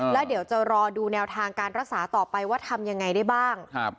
แล้วเดี๋ยวจะรอดูแนวทางการรักษาต่อไปว่าทำยังไงได้บ้าง